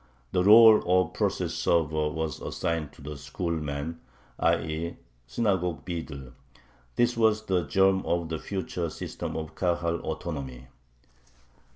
The rôle of process server was assigned to the "schoolman," i. e. the synagogue beadle. This was the germ of the future system of Kahal autonomy.